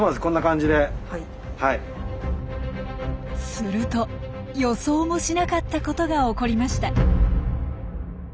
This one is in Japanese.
すると予想もしなかったことが起こりました。